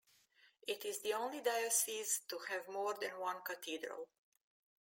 It is the only diocese to have more than one cathedral.